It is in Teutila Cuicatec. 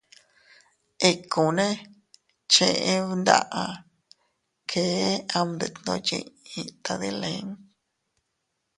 Ikkune cheʼe bndaʼa, kee am detndoʼo yiʼi tadilin.